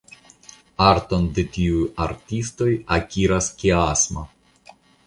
Arton de tiuj artistoj akiras Kiasma.